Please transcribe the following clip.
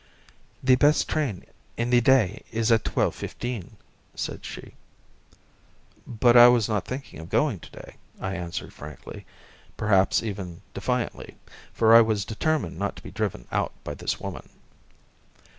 "The best train in the day is at twelve fifteen," said she. "But I was not thinking of going today," I answered, frankly perhaps even defiantly, for I was determined not to be driven out by this woman.